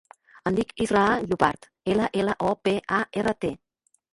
Em dic Israa Llopart: ela, ela, o, pe, a, erra, te.